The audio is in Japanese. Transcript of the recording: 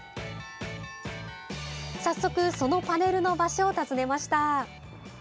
早速そのパネルの場所を訪ねました。